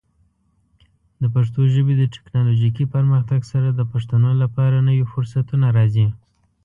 د پښتو ژبې د ټیکنالوجیکي پرمختګ سره، د پښتنو لپاره نوې فرصتونه راځي.